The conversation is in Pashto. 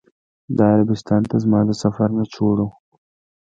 دا عربستان ته زما د سفر نچوړ و.